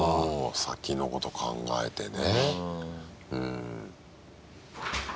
先のこと考えてね。